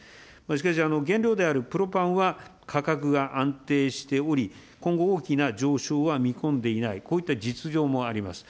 しかし、原料であるプロパンは価格が安定しており、今後、大きな上昇は見込んでいない、こういった実情もあります。